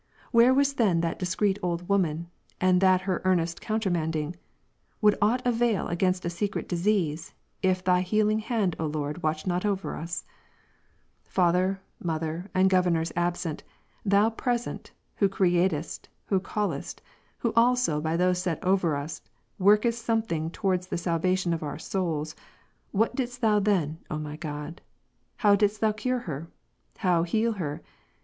Where was then that discreet old woman, and that her earnest countermanding ? Would aught avail againstasecret disease, if Thy healing hand, O Lord, watched not over us ? Father, mother, and governors absent, Thou present, who createdst, who callest, who also by those set over us, workest something towards the salvation of our souls, what didst Thou then, O my God ? how didst Thou cure her? how heal her